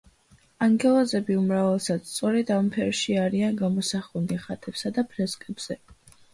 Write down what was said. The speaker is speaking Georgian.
ანგელოზები უმრავლესად სწორედ ამ ფერში არიან გამოსახულნი ხატებსა და ფრესკებზე.